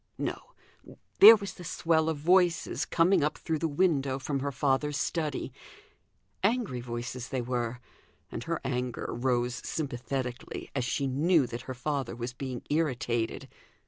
No! there was the swell of voices coming up through the window from her father's study: angry voices they were; and her anger rose sympathetically, as she knew that her father was being irritated.